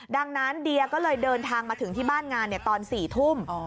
ดังนั้นเดียก็เลยเดินทางมาถึงที่บ้านงานตอน๔ทุ่ม